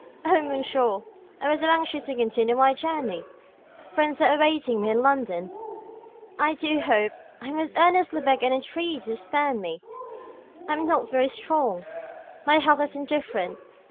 "Oh, monsieur, I was so anxious to continue my journey. Friends are awaiting me in London. I do hope I most earnestly beg and entreat you to spare me. I am not very strong; my health is indifferent.